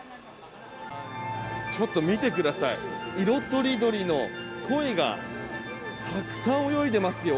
ちょっと見てください色とりどりのコイがたくさん泳いでいますよ。